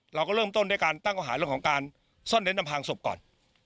เราก็เริ่มต้นด้วยการตั้งเขาหาเรื่องของการซ่อนเน้นอำพางศพก่อน